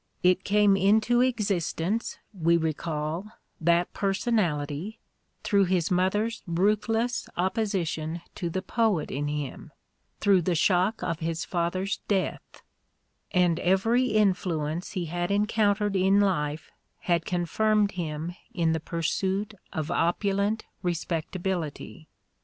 It came into existence, we recall, that personality, through his mother's ruth less opposition to the poet in him, through the shock of his father's death; and every influence he had encount ered in life had confirmed him in the pursuit of opulent respectability.